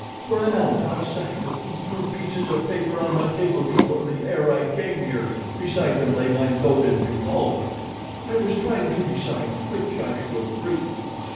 For an hour I sat with these two pieces of paper on my table before me ere I came here—beside them lay my loaded revolver. I was trying to decide which I should bring.